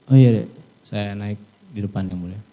oh iya saya naik di depan